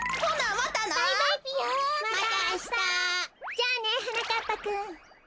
じゃあねはなかっぱくん。